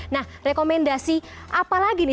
nah rekomendasi apa lagi nih